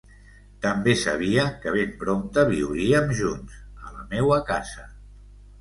També sabia que ben prompte viuríem junts, a la meua casa.